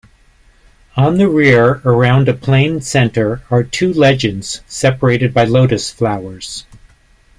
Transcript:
On the rear, around a plain center, are two legends separated by lotus flowers.